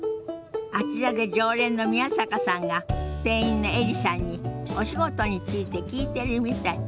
あちらで常連の宮坂さんが店員のエリさんにお仕事について聞いてるみたい。